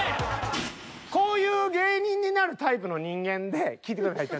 こういう芸人になるタイプの人間で聞いてください。